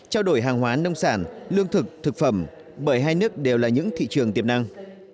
trao đổi hàng hóa nông sản lương thực thực phẩm bởi hai nước đều là những thị trường tiềm năng